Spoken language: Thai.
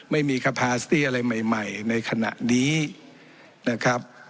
ไม่มีอะไรใหม่ใหม่ในขณะนี้นะครับ